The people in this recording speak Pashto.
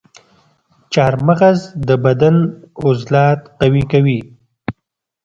چارمغز د بدن عضلات قوي کوي.